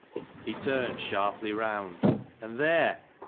He turned sharply round, and there!